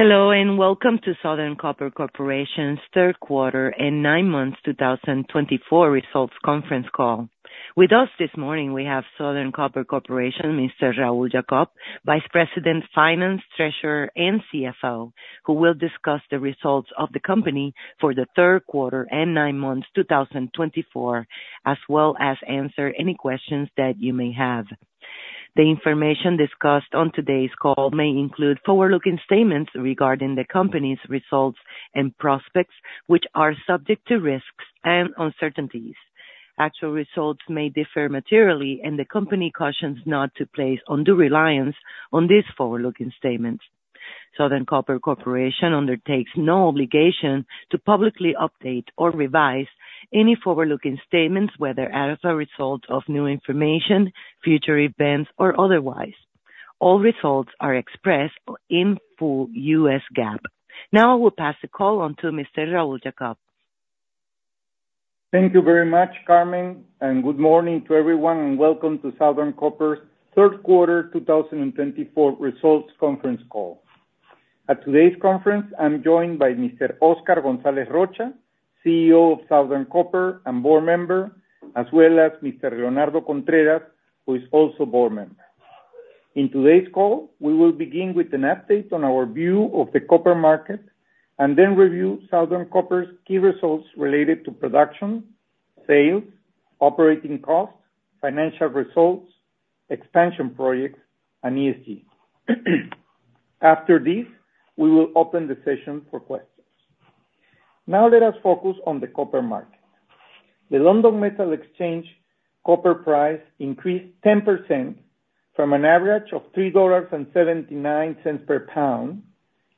Hello, and welcome to Southern Copper Corporation's third quarter and nine months two thousand and twenty-four results conference call. With us this morning, we have Southern Copper Corporation, Mr. Raul Jacob, Vice President, Finance, Treasurer, and CFO, who will discuss the results of the company for the third quarter and nine months, two thousand and twenty-four, as well as answer any questions that you may have. The information discussed on today's call may include forward-looking statements regarding the company's results and prospects, which are subject to risks and uncertainties. Actual results may differ materially, and the company cautions not to place undue reliance on these forward-looking statements. Southern Copper Corporation undertakes no obligation to publicly update or revise any forward-looking statements, whether as a result of new information, future events, or otherwise. All results are expressed in full U.S. GAAP. Now I will pass the call on to Mr. Raul Jacob. Thank you very much, Carmen, and good morning to everyone, and welcome to Southern Copper's third quarter 2024 results conference call. At today's conference, I'm joined by Mr. Oscar González Rocha, CEO of Southern Copper and board member, as well as Mr. Leonardo Contreras, who is also a board member. In today's call, we will begin with an update on our view of the copper market, and then review Southern Copper's key results related to production, sales, operating costs, financial results, expansion projects, and ESG. After this, we will open the session for questions. Now let us focus on the copper market. The London Metal Exchange copper price increased 10% from an average of $3.79 per pound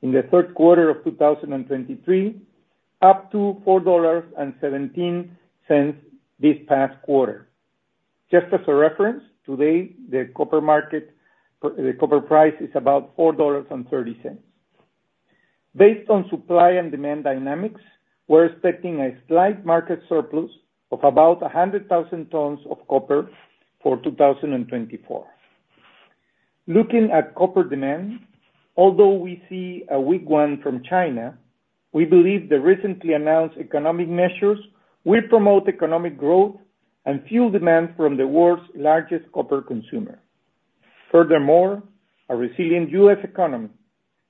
in the third quarter of 2023, up to $4.17 this past quarter. Just as a reference, today, the copper market, the copper price is about $4.30. Based on supply and demand dynamics, we're expecting a slight market surplus of about 100,000 tons of copper for 2024. Looking at copper demand, although we see a weak one from China, we believe the recently announced economic measures will promote economic growth and fuel demand from the world's largest copper consumer. Furthermore, a resilient U.S. economy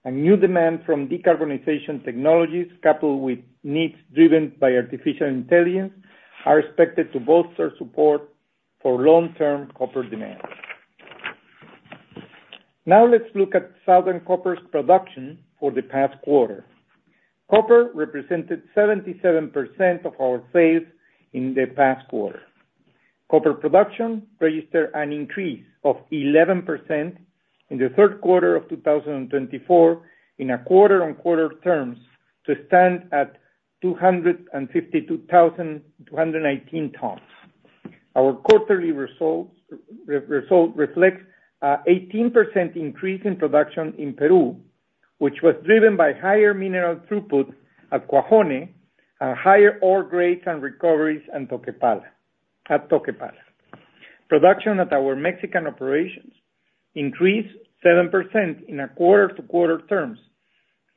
and new demand from decarbonization technologies, coupled with needs driven by artificial intelligence, are expected to bolster support for long-term copper demand. Now, let's look at Southern Copper's production for the past quarter. Copper represented 77% of our sales in the past quarter. Copper production registered an increase of 11% in the third quarter of 2024, on a quarter-on-quarter basis, to stand at 252,218 tons. Our quarterly results reflect an 18% increase in production in Peru, which was driven by higher mineral throughput at Cuajone, and higher ore grades and recoveries in Toquepala. Production at our Mexican operations increased 7% on a quarter-on-quarter basis,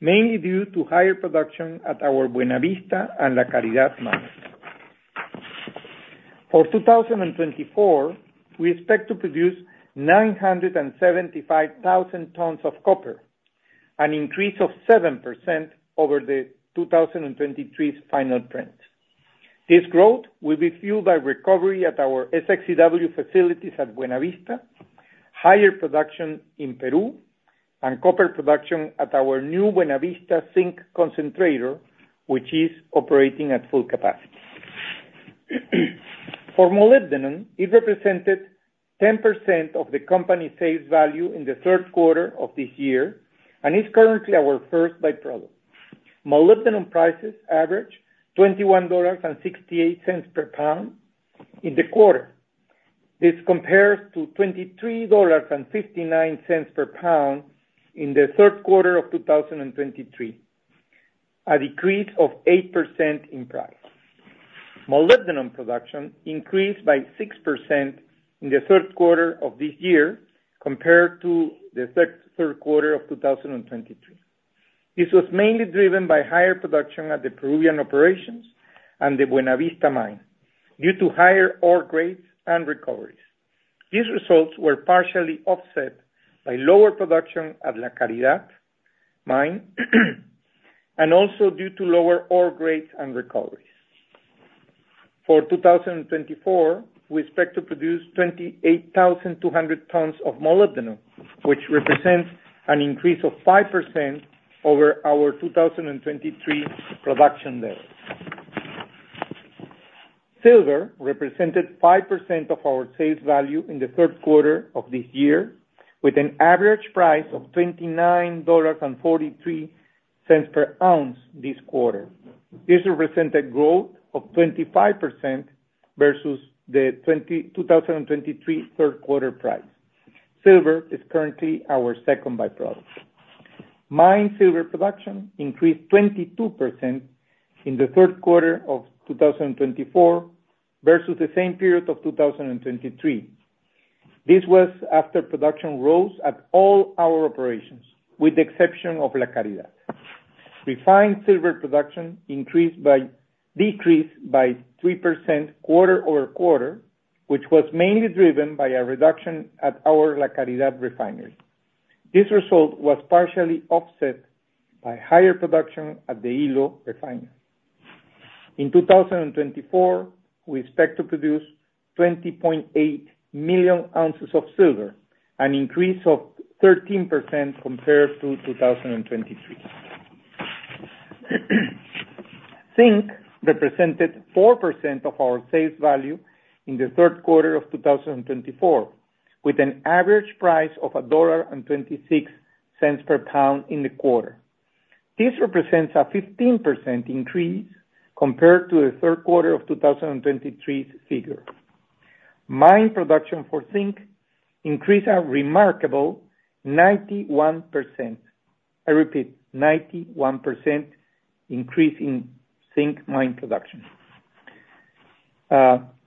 mainly due to higher production at our Buenavista and La Caridad mines. For 2024, we expect to produce 975,000 tons of copper, an increase of 7% over 2023's final results. This growth will be fueled by recovery at our SX-EW facilities at Buenavista, higher production in Peru, and copper production at our new Buenavista zinc concentrator, which is operating at full capacity. For molybdenum, it represented 10% of the company's sales value in the third quarter of this year, and is currently our first by-product. Molybdenum prices averaged $21.68 per pound in the quarter. This compares to $23.59 per pound in the third quarter of 2023, a decrease of 8% in price. Molybdenum production increased by 6% in the third quarter of this year, compared to the third quarter of 2022. This was mainly driven by higher production at the Peruvian operations and the Buenavista mine, due to higher ore grades and recoveries. These results were partially offset by lower production at La Caridad mine, and also due to lower ore grades and recoveries. For 2024, we expect to produce 28,200 tons of molybdenum, which represents an increase of 5% over our 2023 production level. Silver represented 5% of our sales value in the third quarter of this year, with an average price of $29.43 per ounce this quarter. This represented growth of 25% versus the third quarter 2023 price. Silver is currently our second by-product. Mine silver production increased 22% in the third quarter of 2024 versus the same period of 2023. This was after production rose at all our operations, with the exception of La Caridad. Refined silver production decreased by 3% quarter over quarter, which was mainly driven by a reduction at our La Caridad refinery. This result was partially offset by higher production at the Ilo refinery. In 2024, we expect to produce 20.8 million ounces of silver, an increase of 13% compared to 2023. Zinc represented 4% of our sales value in the third quarter of 2024, with an average price of $1.26 per pound in the quarter. This represents a 15% increase compared to the third quarter of 2023's figure. Mine production for zinc increased a remarkable 91%. I repeat, 91% increase in zinc mine production.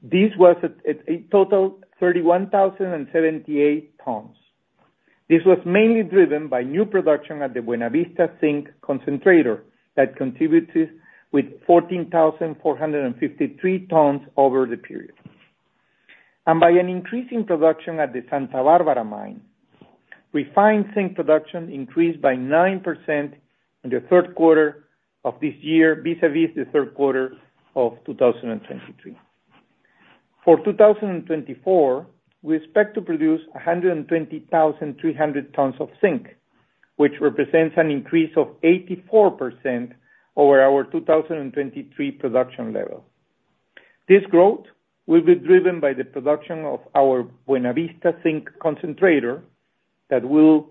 This was at a total 31,078 tons. This was mainly driven by new production at the Buenavista Zinc Concentrator, that contributed with 14,453 tons over the period, and by an increase in production at the Santa Bárbara mine. Refined zinc production increased by 9% in the third quarter of this year, vis-à-vis the third quarter of 2023. For 2024, we expect to produce 120,300 tons of zinc, which represents an increase of 84% over our 2023 production level. This growth will be driven by the production of our Buenavista Zinc Concentrator, that will.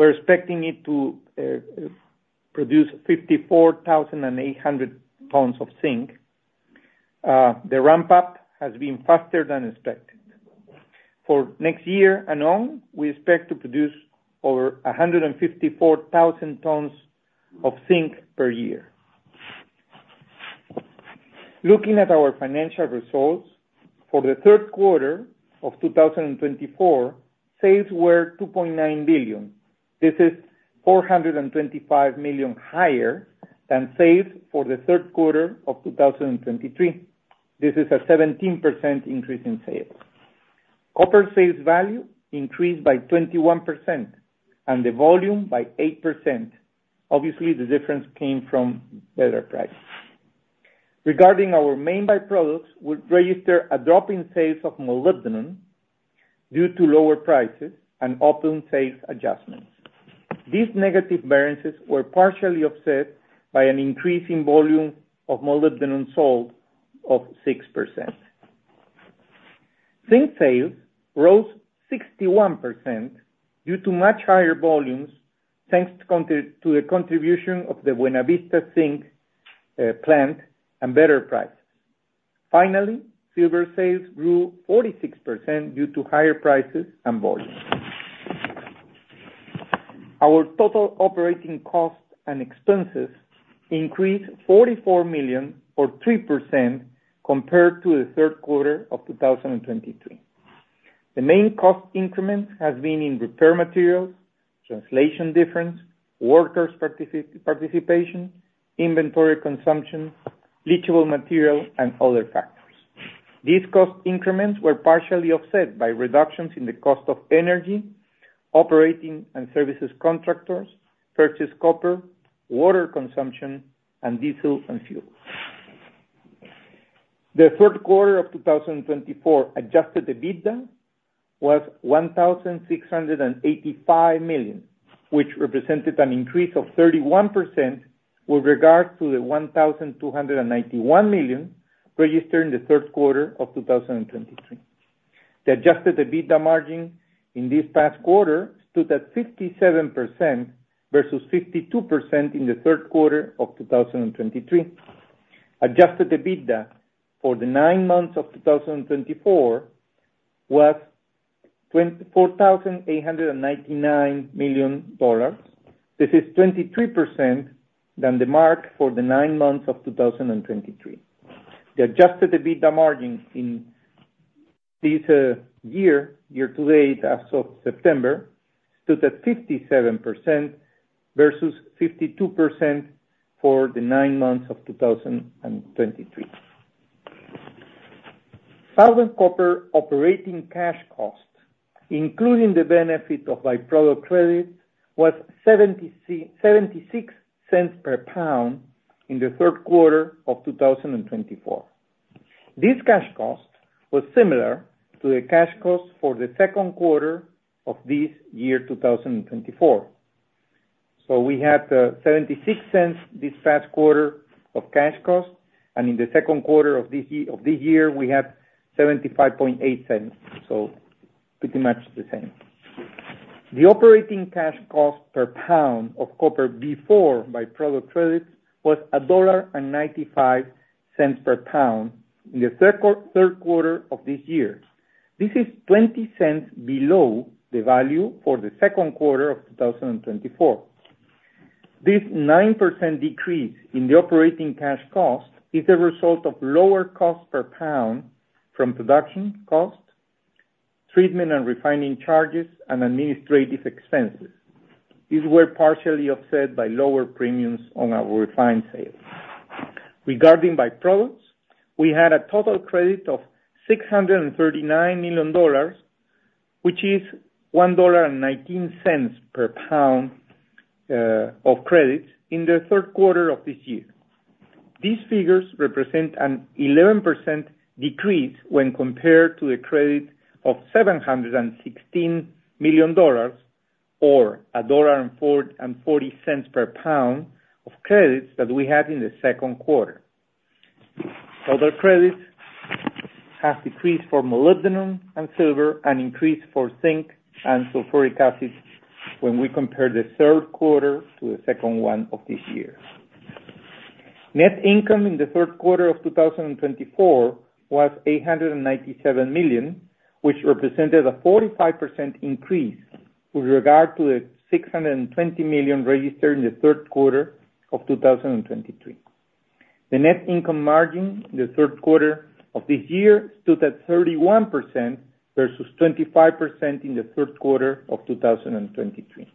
We're expecting it to produce 54,800 tons of zinc. The ramp up has been faster than expected. For next year and on, we expect to produce over 154,000 tons of zinc per year. Looking at our financial results, for the third quarter of 2024, sales were $2.9 billion. This is $425 million higher than sales for the third quarter of 2023. This is a 17% increase in sales. Copper sales value increased by 21% and the volume by 8%. Obviously, the difference came from better prices. Regarding our main by-products, we register a drop in sales of molybdenum due to lower prices and open sales adjustments. These negative variances were partially offset by an increase in volume of molybdenum sold of 6%. Zinc sales rose 61% due to much higher volumes, thanks to the contribution of the Buenavista Zinc plant and better prices. Finally, silver sales grew 46% due to higher prices and volume. Our total operating costs and expenses increased $44 million, or 3%, compared to the third quarter of 2023. The main cost increments has been in repair materials, translation difference, workers participation, inventory consumption, leachable materials, and other factors. These cost increments were partially offset by reductions in the cost of energy, operating and services contractors, purchased copper, water consumption, and diesel and fuel. The third quarter of 2024 Adjusted EBITDA was $1,685 million, which represented an increase of 31% with regards to the $1,291 million registered in the third quarter of 2023. The Adjusted EBITDA margin in this past quarter stood at 57% versus 52% in the third quarter of 2023. Adjusted EBITDA for the nine months of two thousand and twenty-four was $2,489 million. This is 23% higher than the same for the nine months of two thousand and twenty-three. The adjusted EBITDA margin in this year to date, as of September, stood at 57% versus 52% for the nine months of two thousand and twenty-three. Southern Copper operating cash costs, including the benefit of by-product credit, was $0.76 per pound in the third quarter of two thousand and twenty-four. This cash cost was similar to the cash cost for the second quarter of this year, two thousand and twenty-four. So we had seventy-six cents this past quarter of cash cost, and in the second quarter of this year, we had $0.758, so pretty much the same. The operating cash cost per pound of copper before by-product credits was $1.95 per pound in the third quarter of this year. This is $0.20 below the value for the second quarter of two thousand and twenty-four. This 9% decrease in the operating cash cost is a result of lower cost per pound from production cost, treatment and refining charges, and administrative expenses. These were partially offset by lower premiums on our refined sales. Regarding by-products, we had a total credit of $639 million, which is $1.19 per pound of credits in the third quarter of this year. These figures represent an 11% decrease when compared to the credit of $716 million, or $1.44 per pound of credits that we had in the second quarter. Other credits have decreased for molybdenum and silver, and increased for zinc and sulfuric acid when we compare the third quarter to the second one of this year. Net income in the third quarter of 2024 was $897 million, which represented a 45% increase with regard to the $620 million registered in the third quarter of 2023. The net income margin in the third quarter of this year stood at 31% versus 25% in the third quarter of 2023.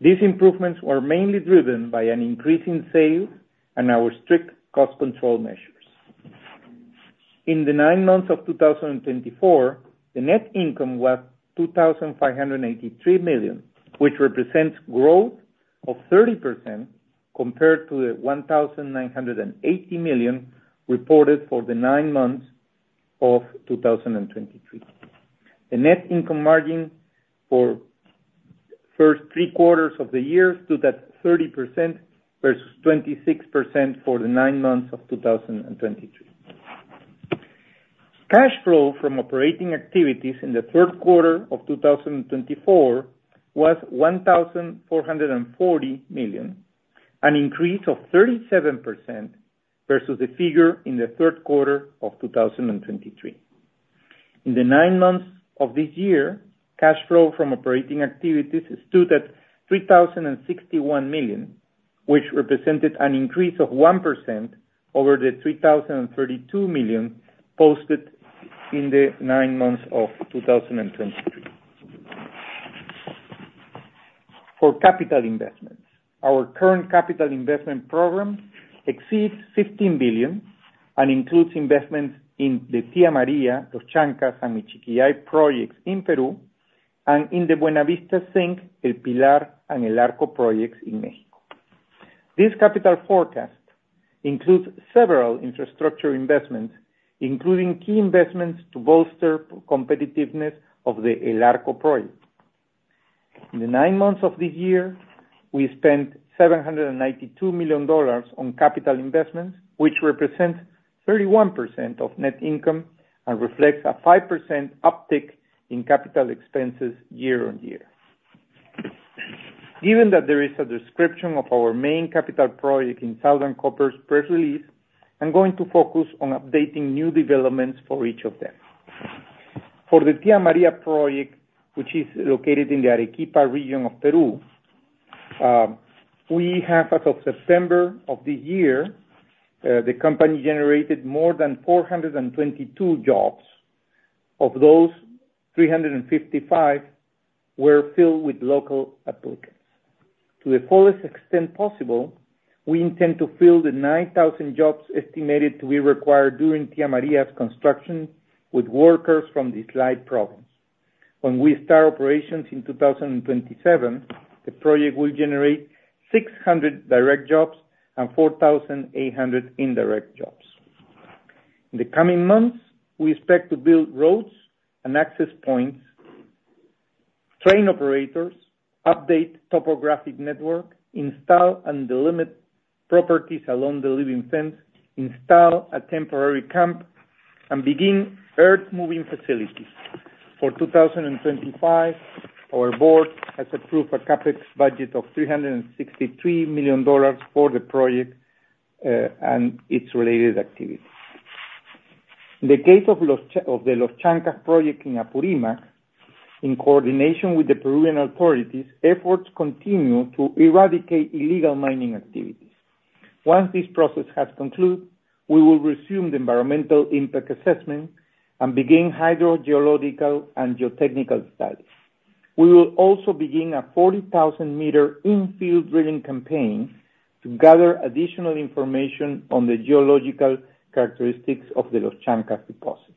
These improvements were mainly driven by an increase in sales and our strict cost control measures. In the nine months of 2024, the net income was $2,583 million, which represents growth of 30% compared to the $1,980 million reported for the nine months of 2023. The net income margin for first three quarters of the year stood at 30% versus 26% for the nine months of 2023. Cash flow from operating activities in the third quarter of 2024 was $1,440 million, an increase of 37% versus the figure in the third quarter of 2023. In the nine months of this year, cash flow from operating activities stood at $3,061 million, which represented an increase of 1% over the $3,032 million posted in the nine months of 2023. For capital investments, our current capital investment program exceeds $15 billion and includes investments in the Tía María, Los Chancas, and Michiquillay projects in Peru, and in the Buenavista Zinc, El Pilar, and El Arco projects in Mexico. This capital forecast includes several infrastructure investments, including key investments to bolster competitiveness of the El Arco project. In the nine months of this year, we spent $792 million on capital investments, which represents 31% of net income and reflects a 5% uptick in capital expenses year on year. Given that there is a description of our main capital project in Southern Copper's press release, I'm going to focus on updating new developments for each of them. For the Tía María project, which is located in the Arequipa region of Peru, we have, as of September of this year, the company generated more than 422 jobs. Of those, 355 were filled with local applicants. To the fullest extent possible, we intend to fill the 9,000 jobs estimated to be required during Tía María's construction with workers from the Islay province. When we start operations in 2027, the project will generate 600 direct jobs and 4,800 indirect jobs. In the coming months, we expect to build roads and access points, train operators, update topographic network, install and delimit properties along the living fence, install a temporary camp, and begin earth-moving facilities. For two thousand and twenty-five, our board has approved a CapEx budget of $363 million for the project and its related activities. In the case of the Los Chancas project in Apurímac, in coordination with the Peruvian authorities, efforts continue to eradicate illegal mining activities. Once this process has concluded, we will resume the environmental impact assessment and begin hydrogeological and geotechnical studies. We will also begin a 40,000-meter in-field drilling campaign to gather additional information on the geological characteristics of the Los Chancas deposit.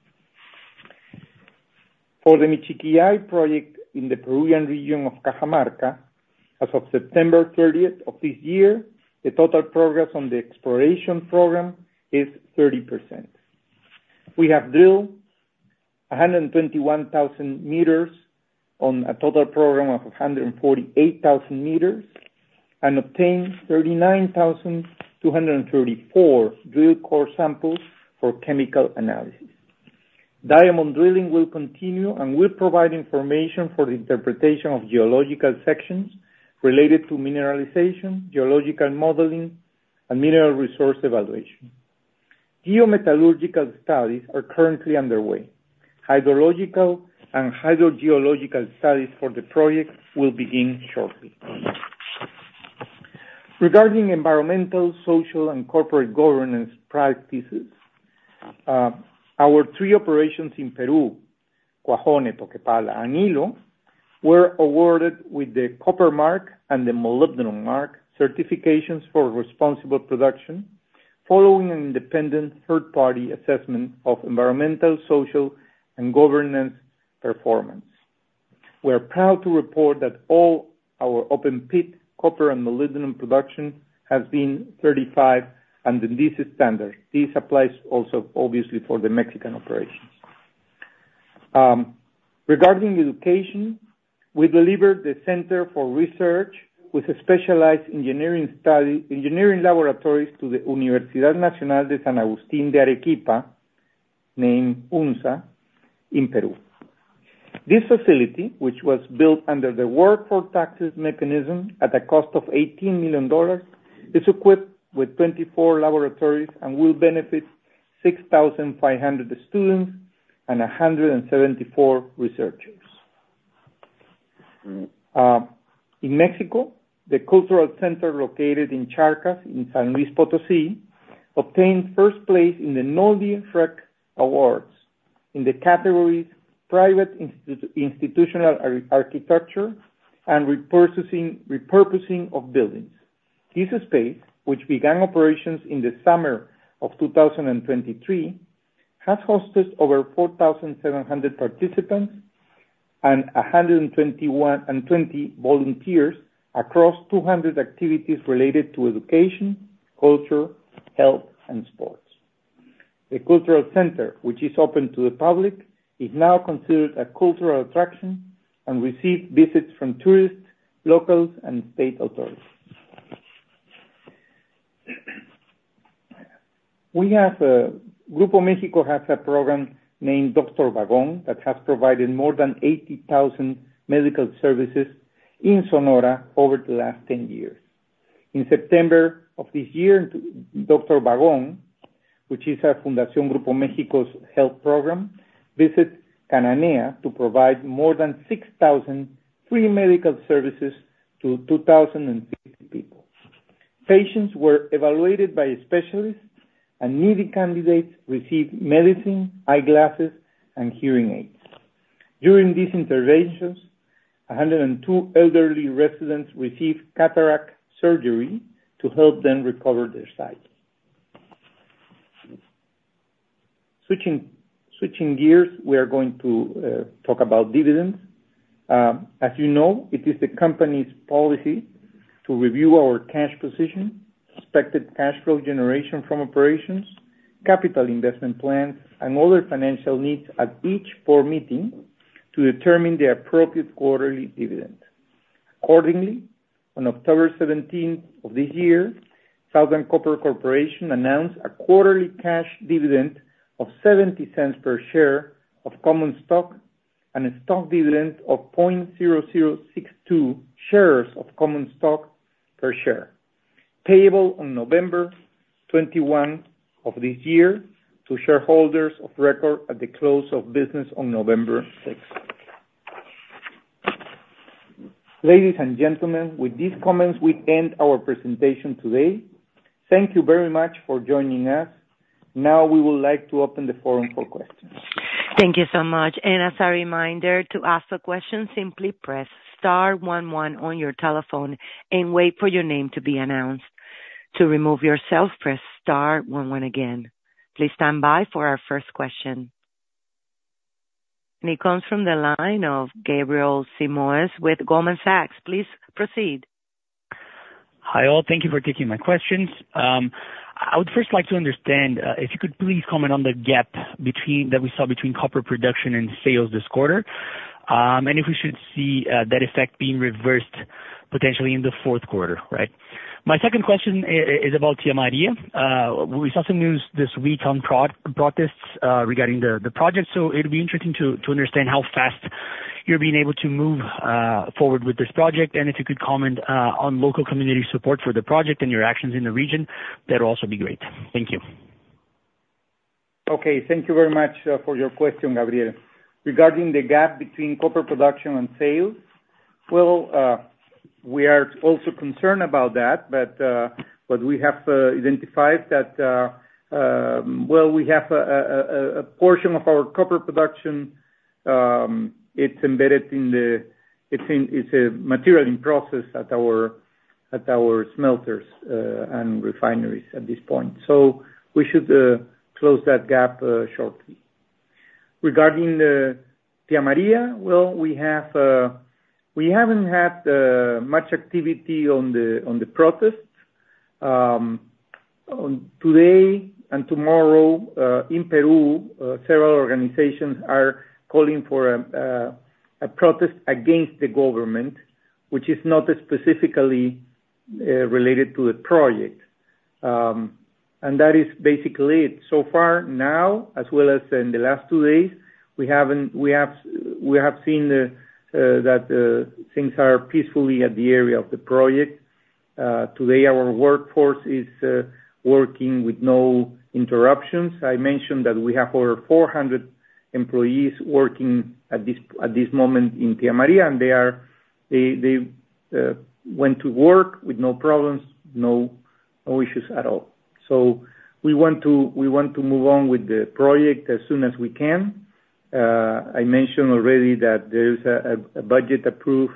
For the Michiquillay project in the Peruvian region of Cajamarca, as of September thirtieth of this year, the total progress on the exploration program is 30%. We have drilled a hundred and twenty-one thousand meters on a total program of a hundred and forty-eight thousand meters and obtained thirty-nine thousand two hundred and thirty-four drill core samples for chemical analysis. Diamond drilling will continue and will provide information for the interpretation of geological sections related to mineralization, geological modeling, and mineral resource evaluation. Geometallurgical studies are currently underway. Hydrological and hydrogeological studies for the project will begin shortly. Regarding environmental, social, and corporate governance practices, our three operations in Peru were awarded with the Copper Mark and the Molybdenum Mark certifications for responsible production, following an independent third-party assessment of environmental, social, and governance performance. We're proud to report that all our open pit copper and molybdenum production has been certified under these standards. This applies also, obviously, for the Mexican operations. Regarding education, we delivered the Center for Research with specialized engineering studies, engineering laboratories to the Universidad Nacional de San Agustín de Arequipa, named UNSA, in Peru. This facility, which was built under the Works for Taxes mechanism at a cost of $18 million, is equipped with 24 laboratories and will benefit 6,500 students and 174 researchers. In Mexico, the cultural center located in Charcas, in San Luis Potosí, obtained first place in the Awards in the categories Private Institute, Institutional Architecture and Repurposing of Buildings. This space, which began operations in the summer of 2023, has hosted over 4,700 participants and 121 and 20 volunteers across 200 activities related to education, culture, health, and sports. The cultural center, which is open to the public, is now considered a cultural attraction and receive visits from tourists, locals, and state authorities. We have, Grupo México has a program named Doctor Vagón that has provided more than 80,000 medical services in Sonora over the last 10 years. In September of this year, Dr. Vagón, which is our Fundación Grupo México's health program, visited Cananea to provide more than 6,000 free medical services to 2,050 people. Patients were evaluated by specialists, and needy candidates received medicine, eyeglasses, and hearing aids. During these interventions, a hundred and two elderly residents received cataract surgery to help them recover their sight. Switching gears, we are going to talk about dividends. As you know, it is the company's policy to review our cash position, expected cash flow generation from operations, capital investment plans, and other financial needs at each board meeting to determine the appropriate quarterly dividend. Accordingly, on October seventeenth of this year, Southern Copper Corporation announced a quarterly cash dividend of $0.70 per share of common stock and a stock dividend of 0.0062 shares of common stock per share, payable on November twenty-one of this year to shareholders of record at the close of business on November sixth. Ladies and gentlemen, with these comments, we end our presentation today. Thank you very much for joining us. Now, we would like to open the forum for questions. Thank you so much, and as a reminder, to ask a question, simply press star one one on your telephone and wait for your name to be announced. To remove yourself, press star one one again. Please stand by for our first question, and it comes from the line of Gabriel Simões with Goldman Sachs. Please proceed. Hi, all. Thank you for taking my questions. I would first like to understand if you could please comment on the gap between that we saw between copper production and sales this quarter, and if we should see that effect being reversed potentially in the fourth quarter, right? My second question is about Tía María. We saw some news this week on protests regarding the project, so it'll be interesting to understand how fast you're being able to move forward with this project, and if you could comment on local community support for the project and your actions in the region, that would also be great. Thank you. Okay, thank you very much for your question, Gabriel. Regarding the gap between corporate production and sales, well, we are also concerned about that, but we have identified that, well, we have a portion of our copper production, it's a material in process at our smelters and refineries at this point, so we should close that gap shortly. Regarding the Tía María, well, we have not had much activity on the protests. On today and tomorrow in Peru, several organizations are calling for a protest against the government, which is not specifically related to the project. And that is basically it. So far now, as well as in the last two days, we haven't, we have, we have seen that things are peacefully at the area of the project. Today our workforce is working with no interruptions. I mentioned that we have over four hundred employees working at this, at this moment in Tía María, and they are- they, they went to work with no problems, no, no issues at all. So we want to, we want to move on with the project as soon as we can. I mentioned already that there is a, a budget approved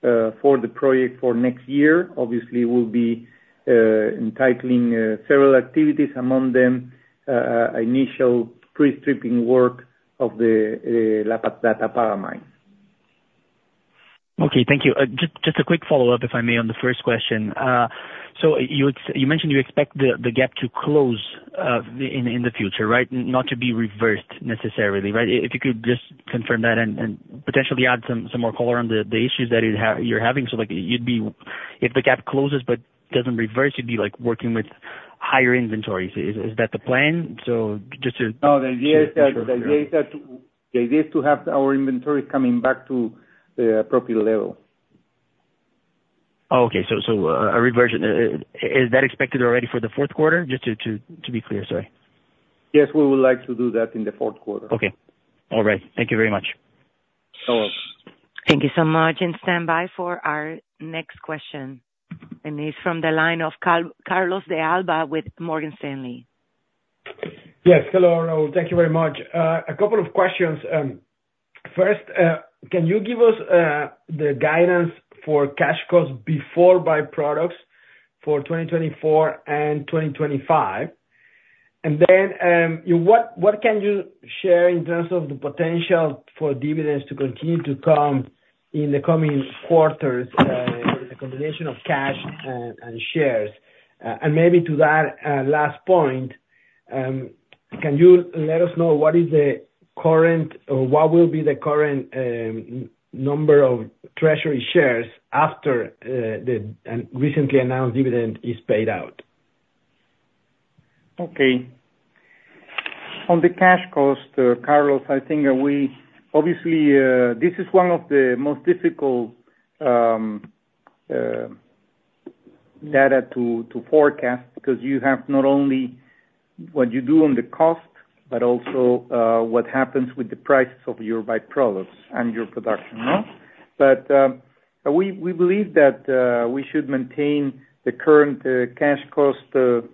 for the project for next year. Obviously, we'll be entitling several activities, among them initial pre-stripping work of the La Tapada mine. Okay, thank you. Just a quick follow-up, if I may, on the first question. So you mentioned you expect the gap to close in the future, right? Not to be reversed necessarily, right? If you could just confirm that and potentially add some more color on the issues that you're having. So, like, if the gap closes but doesn't reverse, you'd be like working with higher inventories. Is that the plan? So just to. No, the idea is to have our inventory coming back to the appropriate level. Oh, okay. So, a reversion, is that expected already for the fourth quarter? Just to be clear, sorry. Yes, we would like to do that in the fourth quarter. Okay. All right. Thank you very much. You're welcome. Thank you so much, and stand by for our next question. It's from the line of Carlos de Alba with Morgan Stanley. Yes. Hello, Raul. Thank you very much. A couple of questions. First, can you give us the guidance for cash costs before by-products for 2024 and 2025? And then, what can you share in terms of the potential for dividends to continue to come in the coming quarters, with a combination of cash and shares? And maybe to that last point, can you let us know what is the current or what will be the current number of treasury shares after the recently announced dividend is paid out? Okay. On the cash cost, Carlos, I think we obviously this is one of the most difficult data to forecast, because you have not only what you do on the cost, but also what happens with the prices of your by-products and your production, no? But we believe that we should maintain the current cash cost of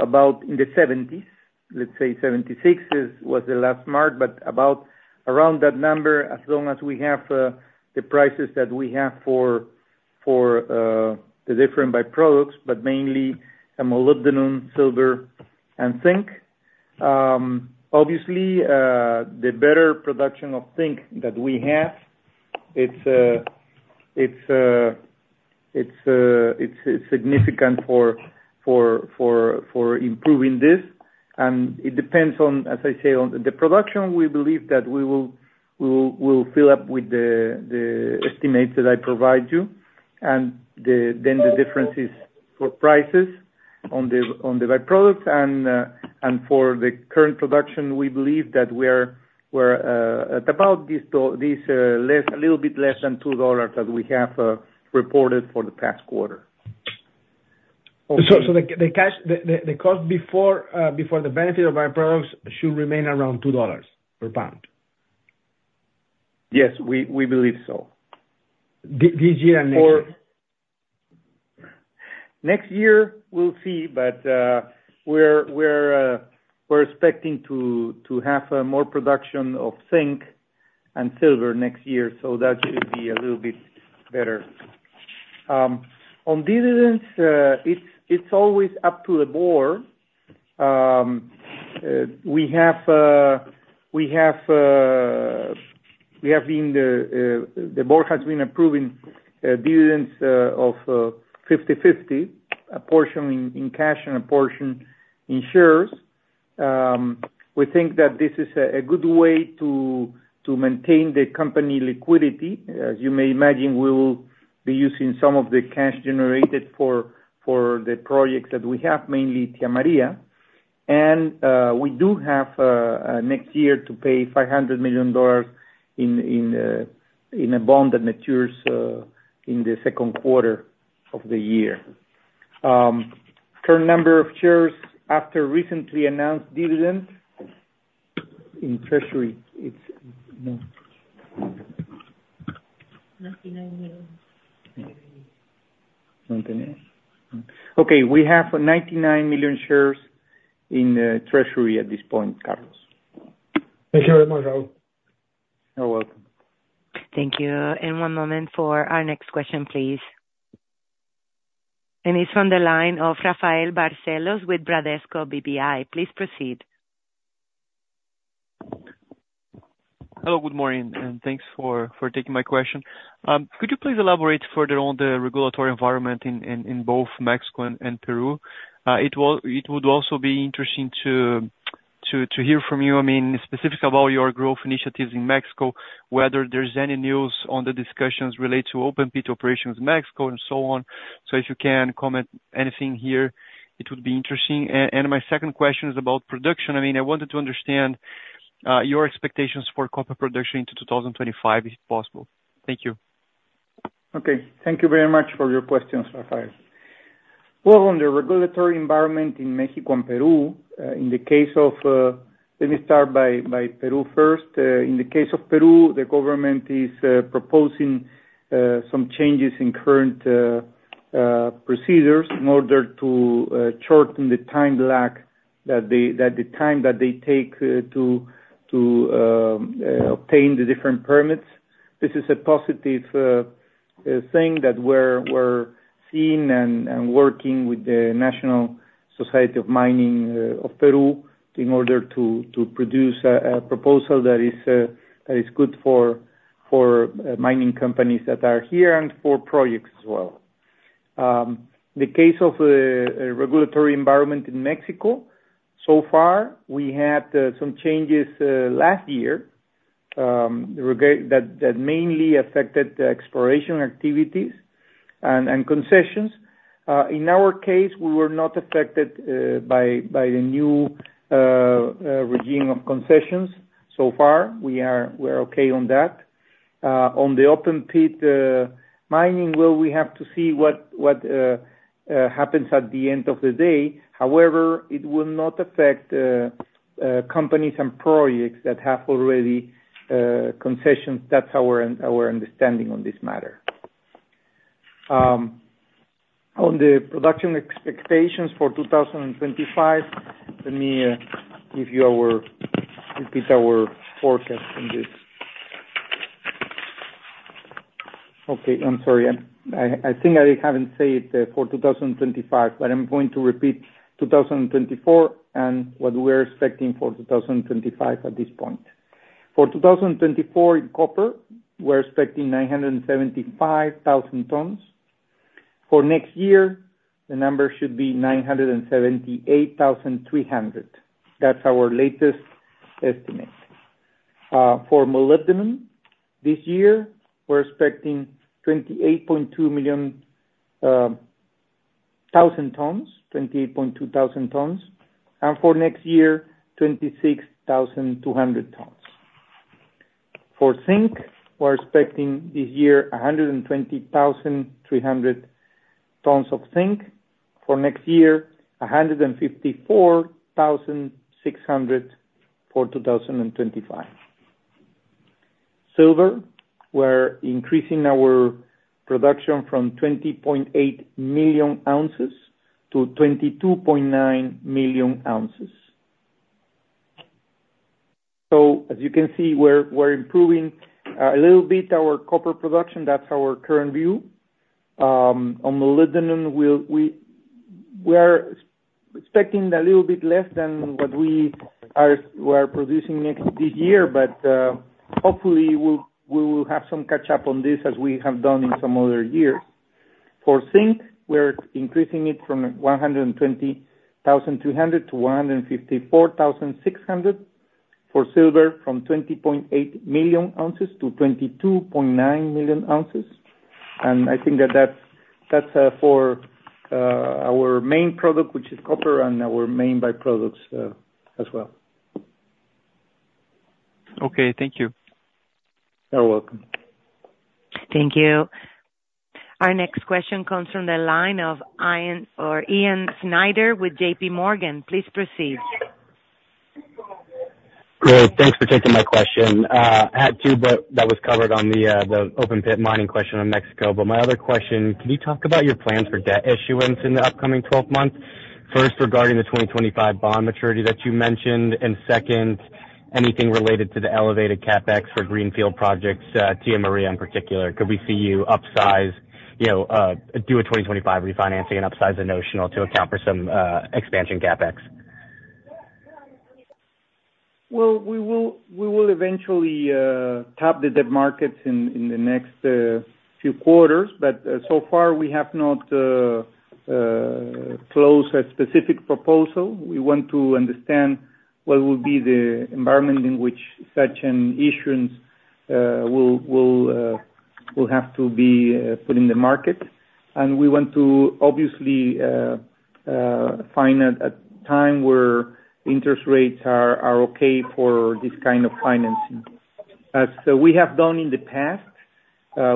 about in the seventies. Let's say seventy-six was the last mark, but about around that number, as long as we have the prices that we have for the different by-products, but mainly molybdenum, silver, and zinc. Obviously, the better production of zinc that we have, it's significant for improving this, and it depends on, as I say, on the production. We believe that we will fill up with the estimates that I provide you. Then the difference is for prices on the by-products and for the current production. We believe that we're at about $2 less, a little bit less than $2 that we have reported for the past quarter. So, the cash cost before the benefit of by-products should remain around $2 per pound? Yes, we believe so. This year and next year? For next year, we'll see, but we're expecting to have more production of zinc and silver next year, so that should be a little bit better. On dividends, it's always up to the board. The board has been approving dividends of 50/50, a portion in cash and a portion in shares. We think that this is a good way to maintain the company liquidity. As you may imagine, we will be using some of the cash generated for the projects that we have, mainly Tía María, and we do have next year to pay $500 million in a bond that matures in the second quarter of the year. Current number of shares after recently announced dividends in treasury, it's, no? Ninety-nine million. Ninety-nine. Okay, we have ninety-nine million shares in the treasury at this point, Carlos. Thank you very much, Raul. You're welcome. Thank you. And one moment for our next question, please. And it's from the line of Rafael Barcellos with Bradesco BBI. Please proceed. Hello, good morning, and thanks for taking my question. Could you please elaborate further on the regulatory environment in both Mexico and Peru? It would also be interesting to hear from you, I mean, specifically about your growth initiatives in Mexico, whether there's any news on the discussions related to open pit operations in Mexico and so on. So if you can comment anything here, it would be interesting. And my second question is about production. I mean, I wanted to understand your expectations for copper production into 2025, if possible? Thank you. Okay, thank you very much for your question, Rafael. Well, on the regulatory environment in Mexico and Peru, in the case of, let me start by Peru first. In the case of Peru, the government is proposing some changes in current procedures in order to shorten the time lag that the time that they take to obtain the different permits. This is a positive thing that we're seeing and working with the National Society of Mining of Peru, in order to produce a proposal that is good for mining companies that are here and for projects as well. The case of the regulatory environment in Mexico, so far, we had some changes last year regarding that mainly affected the exploration activities and concessions. In our case, we were not affected by the new regime of concessions. So far, we're okay on that. On the open pit mining, well, we have to see what happens at the end of the day. However, it will not affect companies and projects that have already concessions. That's our understanding on this matter. On the production expectations for 2025, let me give you our repeat our forecast on this. Okay, I'm sorry, I think I haven't said for 2025, but I'm going to repeat 2024 and what we're expecting for 2025 at this point. For 2024, in copper, we're expecting 975,000 tons. For next year, the number should be 978,300. That's our latest estimate. For molybdenum, this year, we're expecting 28,200 tons, 28,200 tons, and for next year, 26,200 tons. For zinc, we're expecting this year, a 120,300 tons of zinc. For next year, a 154,600 for 2025. Silver, we're increasing our production from 20.8 million ounces to 22.9 million ounces. So as you can see, we're improving a little bit our copper production. That's our current view. On molybdenum, we're expecting a little bit less than what we're producing this year, but hopefully, we will have some catch up on this as we have done in some other years. For zinc, we're increasing it from 120,200 to 154,600. For silver, from 20.8 million ounces to 22.9 million ounces. I think that's for our main product, which is copper, and our main byproducts as well. Okay, thank you. You're welcome. Thank you. Our next question comes from the line of Ian, or Ian Snyder with JPMorgan. Please proceed. Great. Thanks for taking my question. I had two, but that was covered on the open pit mining question on Mexico. But my other question, can you talk about your plans for debt issuance in the upcoming twelve months? First, regarding the 2025 bond maturity that you mentioned, and second, anything related to the elevated CapEx for greenfield projects, Tía María in particular, could we see you upsize, you know, do a 2025 refinancing and upsize the notional to account for some expansion CapEx? We will eventually tap the debt markets in the next few quarters, but so far we have not closed a specific proposal. We want to understand what will be the environment in which such an issuance will have to be put in the market. We want to obviously find a time where interest rates are okay for this kind of financing. As we have done in the past,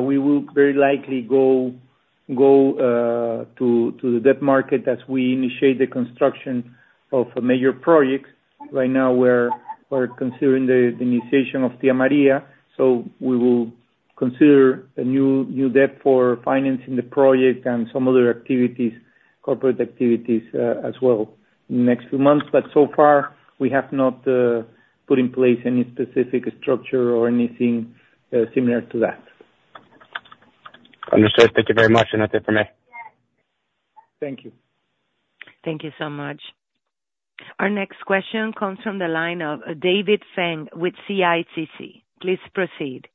we will very likely go to the debt market as we initiate the construction of a major project. Right now, we are considering the initiation of Tía María, so we will consider a new debt for financing the project and some other activities, corporate activities as well in the next few months. But so far, we have not put in place any specific structure or anything similar to that. Understood. Thank you very much. Nothing further for me. Thank you. Thank you so much. Our next question comes from the line of David Feng with CICC. Please proceed.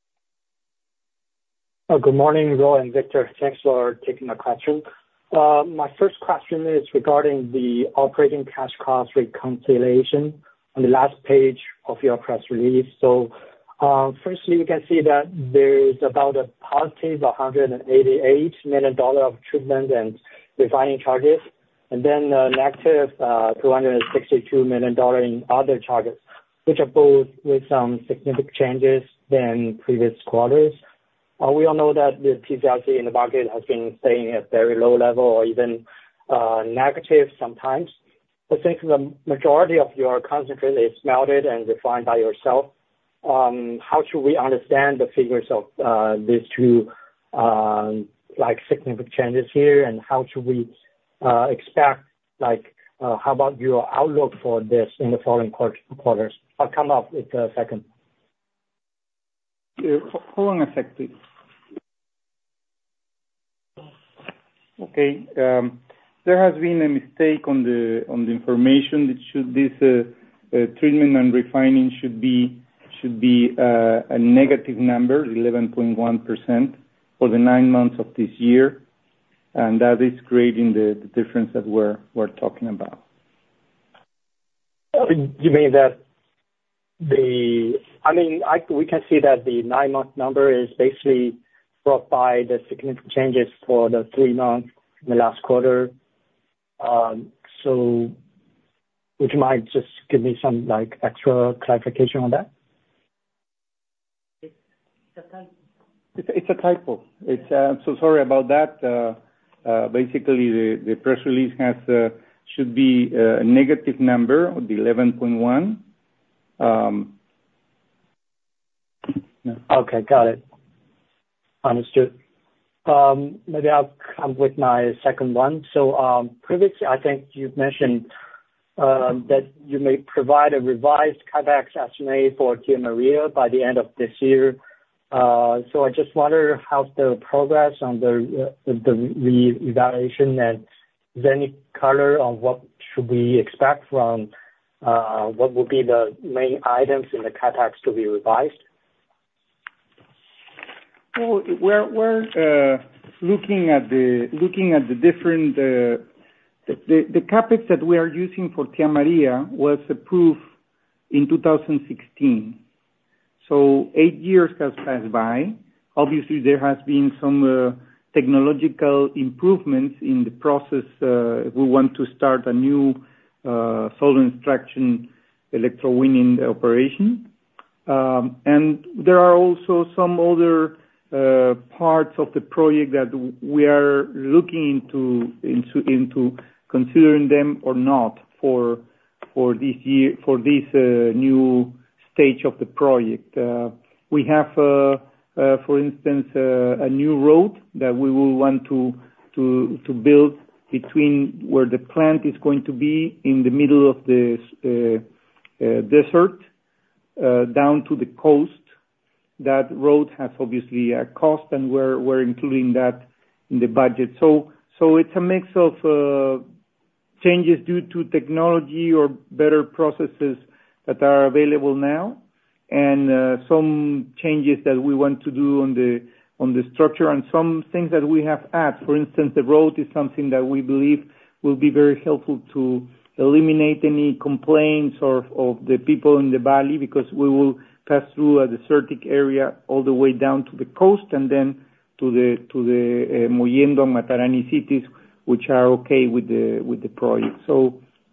Good morning, Raul and Victor. Thanks for taking my question. My first question is regarding the operating cash cost reconciliation on the last page of your press release. So, firstly, we can see that there is about a positive $188 million of treatment and refining charges. And then, negative $262 million in other charges, which are both with some significant changes than previous quarters. We all know that the TC/RC in the market has been staying at very low level or even negative sometimes. I think the majority of your concentrate is melted and refined by yourself. How should we understand the figures of these two like significant changes here? And how should we expect like how about your outlook for this in the following quarters? I'll come up with, second. Hold on a sec, please. Okay, there has been a mistake on the information. It should, this, treatment and refining should be a negative number, 11.1%, for the nine months of this year, and that is creating the difference that we're talking about. I mean, we can see that the nine-month number is basically brought by the significant changes for the three months in the last quarter. So would you mind just give me some, like, extra clarification on that? It's a typo. It's so sorry about that. Basically, the press release has should be a negative number of 11.1. Okay, got it. Understood. Maybe I'll come with my second one. So, previously, I think you've mentioned that you may provide a revised CapEx estimate for Tía María by the end of this year. So I just wonder, how's the progress on the re-evaluation, and is there any color on what should we expect from what would be the main items in the CapEx to be revised? We're looking at the different CapEx that we are using for Tía María was approved in 2016, so eight years have passed by. Obviously, there has been some technological improvements in the process, we want to start a new solvent extraction electrowinning operation, and there are also some other parts of the project that we are looking into considering them or not for this new stage of the project. We have, for instance, a new road that we will want to build between where the plant is going to be in the middle of this desert down to the coast. That road has obviously a cost, and we're including that in the budget. So it's a mix of changes due to technology or better processes that are available now, and some changes that we want to do on the structure and some things that we have had. For instance, the road is something that we believe will be very helpful to eliminate any complaints or of the people in the valley, because we will pass through a desertic area all the way down to the coast, and then to the Mollendo, Matarani cities, which are okay with the project.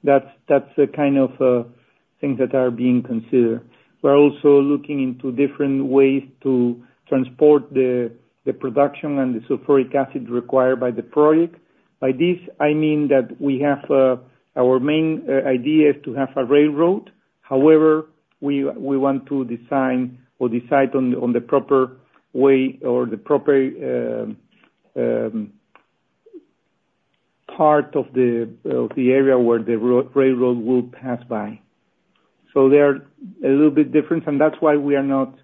That's the kind of things that are being considered. We're also looking into different ways to transport the production and the sulfuric acid required by the project. By this, I mean that we have our main idea is to have a railroad. However, we want to design or decide on the proper way or the proper part of the area where the railroad will pass by. So they are a little bit different, and that's why we are not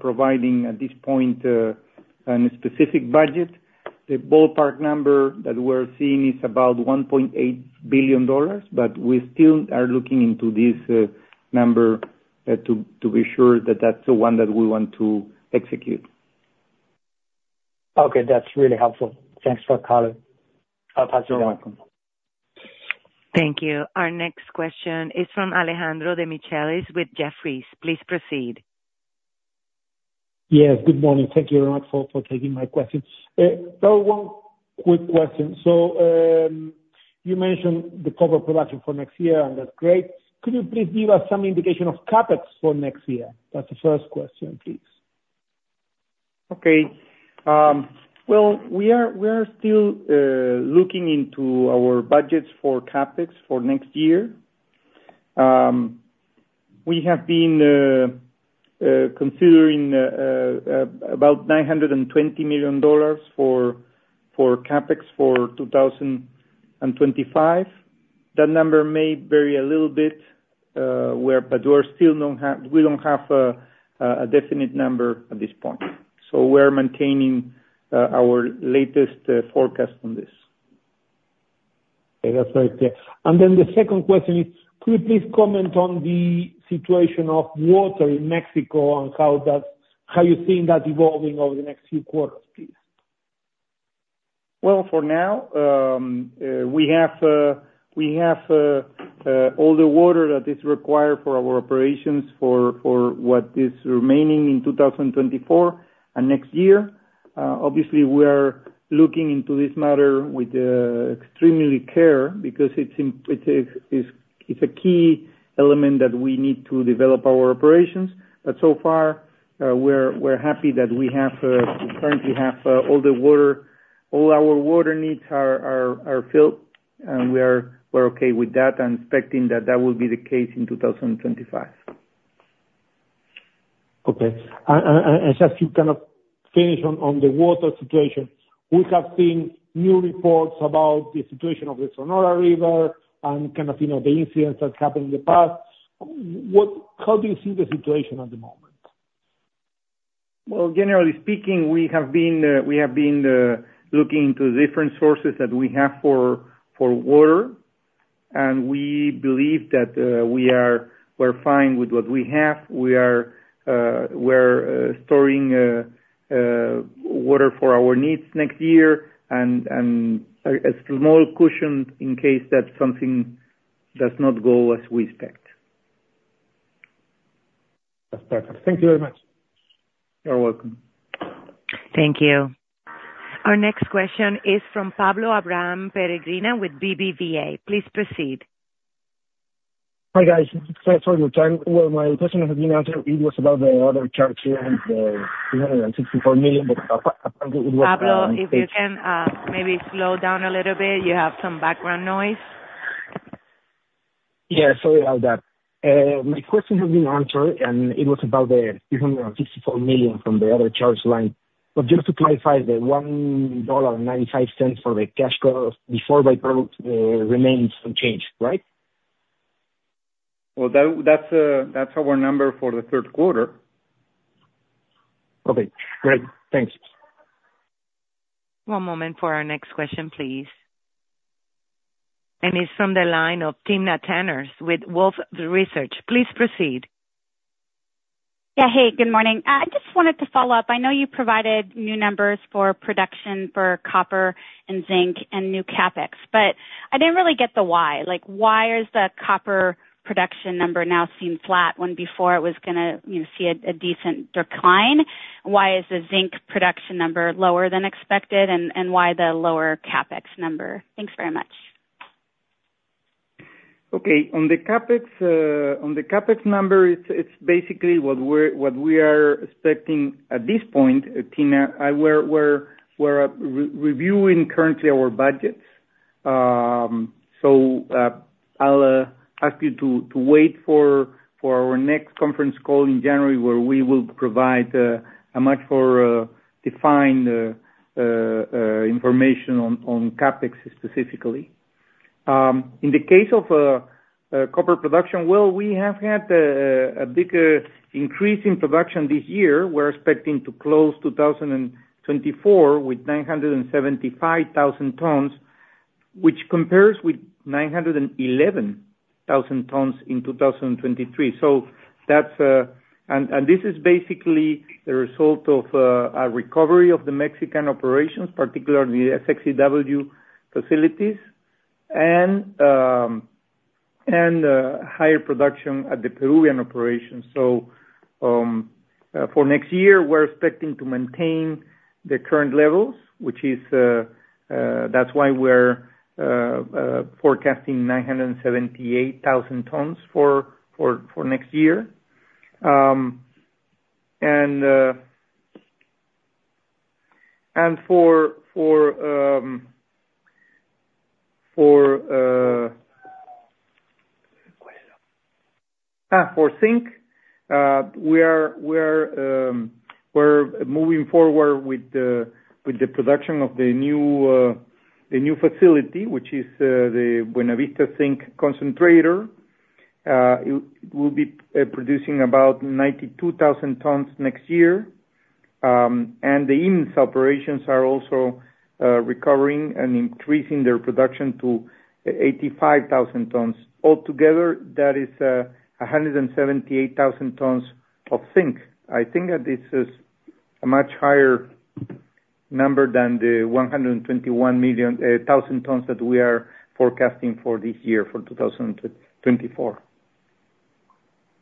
providing at this point a specific budget. The ballpark number that we're seeing is about $1.8 billion, but we still are looking into this number to be sure that that's the one that we want to execute. Okay. That's really helpful. Thanks for calling. I'll pass it on. You're welcome. Thank you. Our next question is from Alejandro Demichelis with Jefferies. Please proceed. Yes, good morning. Thank you very much for taking my question. So one quick question. So, you mentioned the copper production for next year, and that's great. Could you please give us some indication of CapEx for next year? That's the first question, please. Okay, well, we are still looking into our budgets for CapEx for next year. We have been considering about $920 million for CapEx for 2025. That number may vary a little bit, but we still don't have a definite number at this point, so we're maintaining our latest forecast on this. Okay, that's very clear. And then the second question is, could you please comment on the situation of water in Mexico and how you're seeing that evolving over the next few quarters, please? For now, we have all the water that is required for our operations for what is remaining in two thousand twenty-four and next year. Obviously we are looking into this matter with extreme care because it is a key element that we need to develop our operations. But so far, we're happy that we currently have all the water. All our water needs are filled, and we're okay with that and expecting that that will be the case in two thousand and twenty-five. Okay. And just to kind of finish on the water situation, we have seen new reports about the situation of the Sonora River and kind of, you know, the incidents that happened in the past. How do you see the situation at the moment? Generally speaking, we have been looking into different sources that we have for water, and we believe that we are, we're fine with what we have. We are storing water for our needs next year and a small cushion in case that something does not go as we expect. That's perfect. Thank you very much. You're welcome. Thank you. Our next question is from Pablo Abraham Peregrina with BBVA. Please proceed. Hi, guys. Thanks for your time. Well, my question has been answered. It was about the other charges here and the three hundred and sixty-four million, but apparently it was- Pablo, if you can, maybe slow down a little bit, you have some background noise. Yeah, sorry about that. My question has been answered, and it was about the $364 million from the other charges line. But just to clarify, the $1.95 for the cash costs before by-products remains unchanged, right? That's our number for the third quarter. Okay, great. Thanks. One moment for our next question, please. And it's from the line of Timna Tanners with Wolfe Research. Please proceed. Yeah, hey, good morning. I just wanted to follow up. I know you provided new numbers for production for copper and zinc and new CapEx, but I didn't really get the why. Like, why is the copper production number now seem flat, when before it was gonna, you know, see a decent decline? Why is the zinc production number lower than expected, and why the lower CapEx number? Thanks very much. Okay. On the CapEx, on the CapEx number, it's basically what we are expecting at this point, Tina. We're re-reviewing currently our budgets. So, I'll ask you to wait for our next conference call in January, where we will provide a much more defined information on CapEx specifically. In the case of copper production, well, we have had a big increase in production this year. We're expecting to close 2024 with 975,000 tons, which compares with 911,000 tons in 2023. So that's, and this is basically the result of a recovery of the Mexican operations, particularly the SX-EW facilities, and higher production at the Peruvian operations. For next year, we're expecting to maintain the current levels, which is, that's why we're forecasting 978,000 tons for next year. And for zinc, we're moving forward with the production of the new facility, which is the Buenavista Zinc Concentrator. It will be producing about 92,000 tons next year. And the IMMSA operations are also recovering and increasing their production to 85,000 tons. Altogether, that is 178,000 tons of zinc. I think that this is a much higher number than the 121 thousand tons that we are forecasting for this year, for 2024.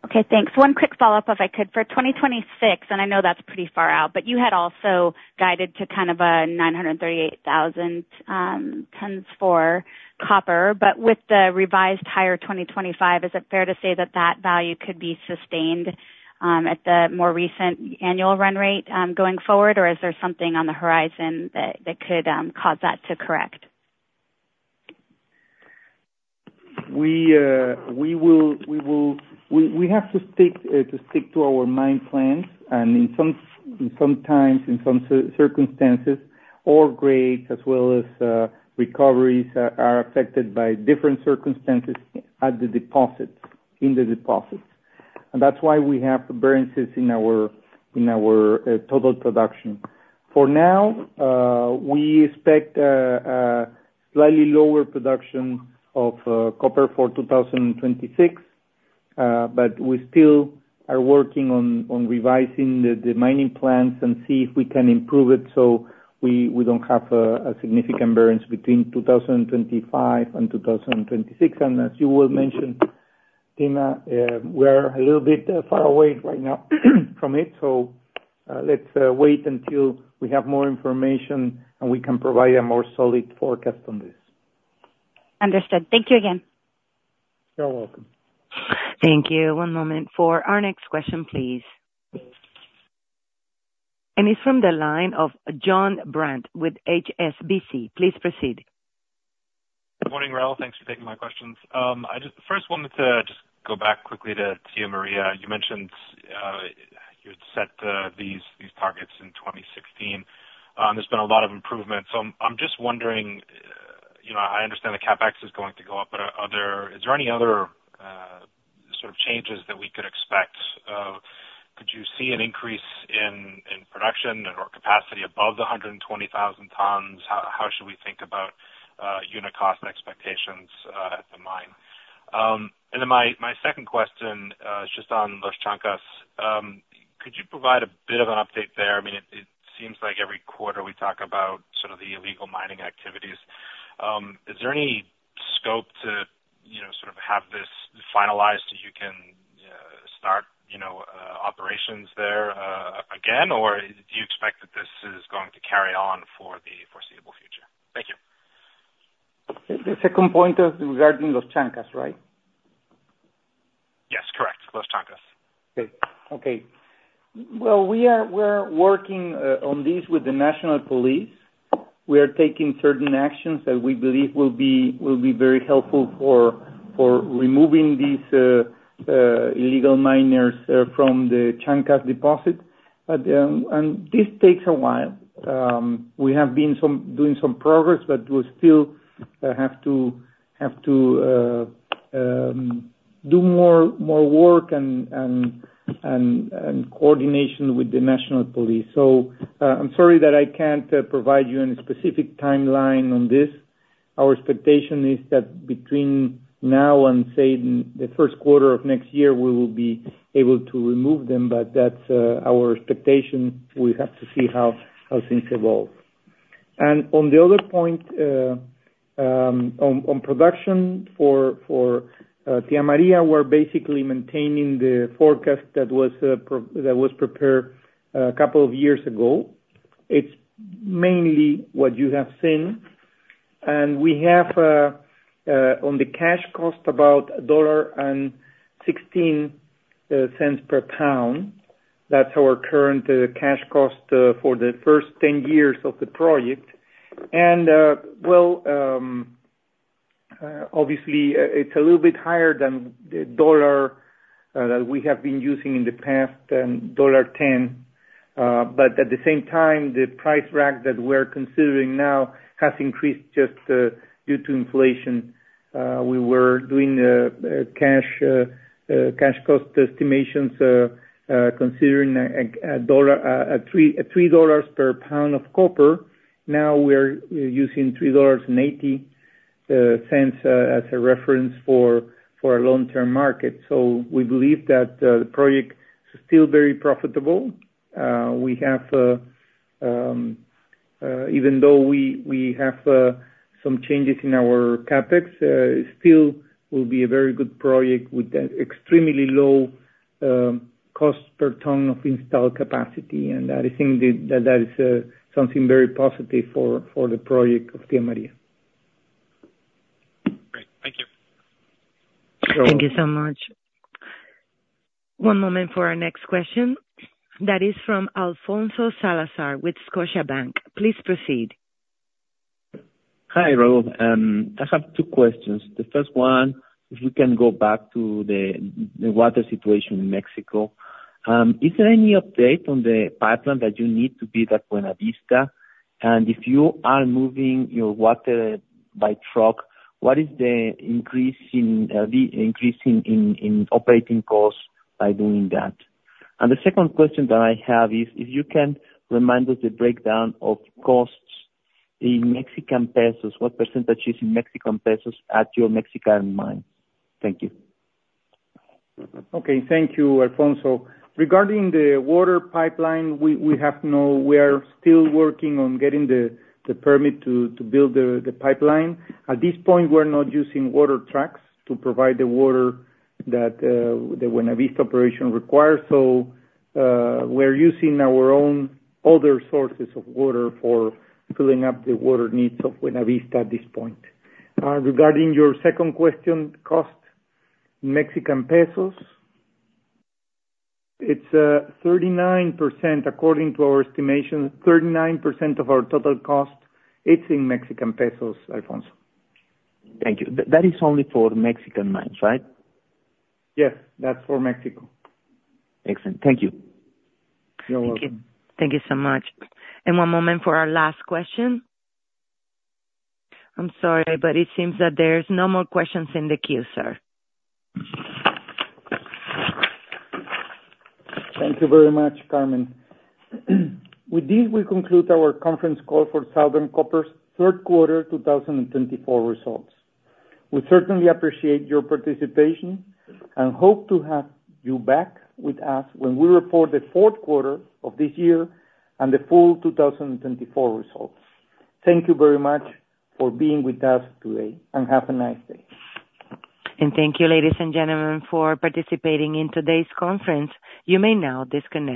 Okay, thanks. One quick follow-up, if I could. For 2026, and I know that's pretty far out, but you had also guided to kind of 938,000 tons for copper. But with the revised higher 2025, is it fair to say that that value could be sustained at the more recent annual run rate going forward? Or is there something on the horizon that could cause that to correct? We will we have to stick to our mine plans, and in some times, in some circumstances, ore grades as well as recoveries are affected by different circumstances at the deposits, in the deposits. And that's why we have variances in our total production. For now, we expect a slightly lower production of copper for 2026, but we still are working on revising the mining plans and see if we can improve it so we don't have a significant variance between 2025 and 2026. And as you well mentioned Timna, we're a little bit far away right now from it, so, let's wait until we have more information, and we can provide a more solid forecast on this. Understood. Thank you again. You're welcome. Thank you. One moment for our next question, please, and it's from the line of John Brandt with HSBC. Please proceed. Good morning, Raul. Thanks for taking my questions. I just first wanted to just go back quickly to Tía María. You mentioned you had set these targets in 2016. There's been a lot of improvement, so I'm just wondering, you know, I understand the CapEx is going to go up, but is there any other sort of changes that we could expect? Could you see an increase in production or capacity above the 120,000 tons? How should we think about unit cost expectations at the mine? And then my second question is just on Los Chancas. Could you provide a bit of an update there? I mean, it seems like every quarter we talk about sort of the illegal mining activities. Is there any scope to, you know, sort of have this finalized so you can start, you know, operations there again? Or do you expect that this is going to carry on for the foreseeable future? Thank you. The second point is regarding Los Chancas, right? Yes, correct. Los Chancas. Okay. Well, we're working on this with the national police. We are taking certain actions that we believe will be very helpful for removing these illegal miners from the Los Chancas deposit. But, and this takes a while. We have been making some progress, but we still have to do more work and coordination with the national police. So, I'm sorry that I can't provide you any specific timeline on this. Our expectation is that between now and, say, the first quarter of next year, we will be able to remove them, but that's our expectation. We have to see how things evolve. On the other point, on production for Tía María, we're basically maintaining the forecast that was prepared a couple of years ago. It's mainly what you have seen. We have on the cash cost, about $1.16 per pound. That's our current cash cost for the first 10 years of the project. Obviously, it's a little bit higher than the dollar that we have been using in the past, $1.10. At the same time, the price deck that we're considering now has increased just due to inflation. We were doing cash cost estimations considering $3 per pound of copper. Now we're using $3.80 as a reference for our long-term market. So we believe that the project is still very profitable. We have even though we have some changes in our CapEx, still will be a very good project with an extremely low cost per ton of installed capacity. And I think that is something very positive for the Tía María project. Great. Thank you. So- Thank you so much. One moment for our next question. That is from Alfonso Salazar with Scotiabank. Please proceed. Hi, Raul. I have two questions. The first one, if we can go back to the water situation in Mexico. Is there any update on the pipeline that you need to build at Buenavista? And if you are moving your water by truck, what is the increase in operating costs by doing that? And the second question that I have is, if you can remind us the breakdown of costs in Mexican pesos, what percentage is in Mexican pesos at your Mexican mine? Thank you. Okay. Thank you, Alfonso. Regarding the water pipeline, we are still working on getting the permit to build the pipeline. At this point, we're not using water trucks to provide the water that the Buenavista operation requires. So, we're using our own other sources of water for filling up the water needs of Buenavista at this point. Regarding your second question, cost, Mexican pesos, it's 39% according to our estimation. 39% of our total cost, it's in Mexican pesos, Alfonso. Thank you. That is only for Mexican mines, right? Yes, that's for Mexico. Excellent. Thank you. You're welcome. Thank you. Thank you so much. And one moment for our last question. I'm sorry, but it seems that there's no more questions in the queue, sir. Thank you very much, Carmen. With this, we conclude our conference call for Southern Copper's third quarter, 2024 results. We certainly appreciate your participation, and hope to have you back with us when we report the fourth quarter of this year and the full 2024 results. Thank you very much for being with us today, and have a nice day. Thank you, ladies and gentlemen, for participating in today's conference. You may now disconnect.